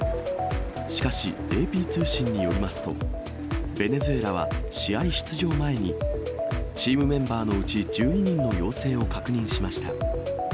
しかしＡＰ通信によりますと、ベネズエラは試合出場前に、チームメンバーのうち１２人の陽性を確認しました。